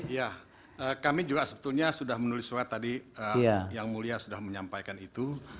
ya kami juga sebetulnya sudah menulis surat tadi yang mulia sudah menyampaikan itu